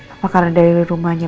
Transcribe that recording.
apakah ada dari rumahnya